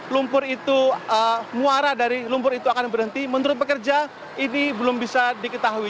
lumpur itu muara dari lumpur itu akan berhenti menurut pekerja ini belum bisa diketahui